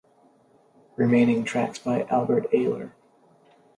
Remaining tracks by Albert Ayler.